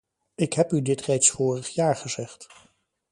Ik heb u dit reeds vorig jaar gezegd.